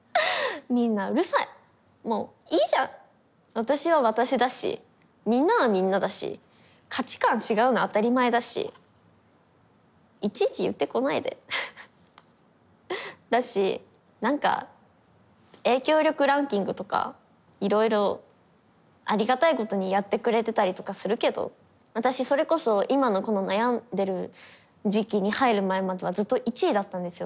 私は私だしみんなはみんなだし価値観違うの当たり前だしいちいち言ってこないでだしなんか影響力ランキングとかいろいろありがたいことにやってくれてたりとかするけど私それこそ今のこの悩んでる時期に入る前まではずっと１位だったんですよ